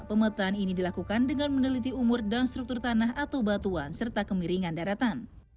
pemetaan ini dilakukan dengan meneliti umur dan struktur tanah atau batuan serta kemiringan daratan